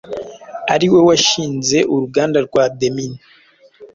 ari we washinze uruganda rwa Demin